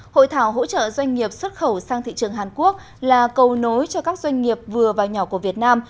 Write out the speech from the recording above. hội thảo hỗ trợ doanh nghiệp xuất khẩu sang thị trường hàn quốc là cầu nối cho các doanh nghiệp vừa và nhỏ của việt nam